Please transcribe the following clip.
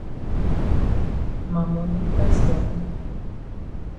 Ma moni pass ya own.